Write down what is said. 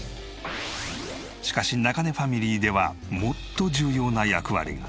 しかし中根ファミリーではもっと重要な役割が。